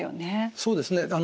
そうですね。